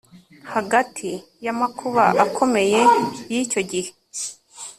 Hagati yamakuba akomeye yicyo gihe